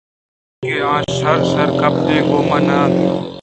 کہ آ شَرّ شَرّ ءُ گیگ ءُگوٛم نہ اَنت